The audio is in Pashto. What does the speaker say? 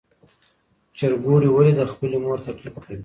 چرګوړي ولې د خپلې مور تقلید کوي؟